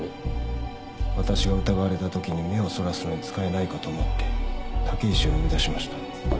私が疑われた時に目をそらすのに使えないかと思って武石を呼び出しました。